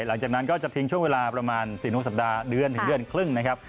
หลังจากนั้นก็จะทิ้งช่วงเวลาประมาณ๔๖สัปดาห์เดือนถึงเดือนครึ่งนะครับ